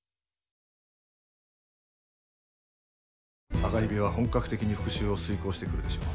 赤蛇は本格的に復讐を遂行してくるでしょう。